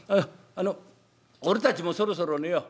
あの俺たちもそろそろ寝よう。